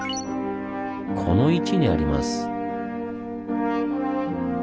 この位置にあります。